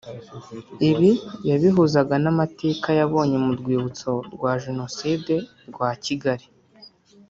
Ibi yabihuzaga n’amateka yabonye mu Rwibutso rwa Jenoside rwa Kigali